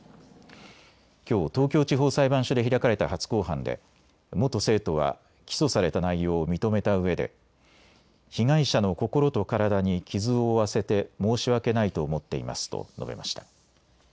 きょう東京地方裁判所で開かれた初公判で元生徒は起訴された内容を認めたうえで被害者の心と体に傷を負わせて申し訳ないと思っていますと述べました。